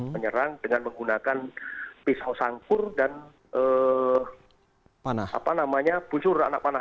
menyerang dengan menggunakan pisau sangkur dan busur anak panah